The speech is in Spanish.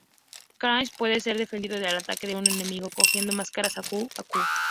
Crash puede ser defendido del ataque de un enemigo cogiendo máscaras Aku Aku.